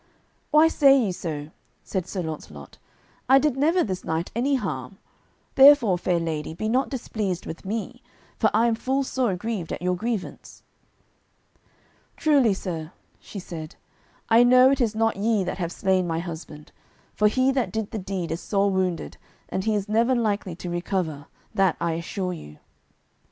"Why say ye so?" said Sir Launcelot; "I did never this knight any harm; therefore, fair lady, be not displeased with me, for I am full sore aggrieved at your grievance." "Truly sir," she said, "I know it is not ye that have slain my husband, for he that did that deed is sore wounded, and he is never likely to recover; that I assure you."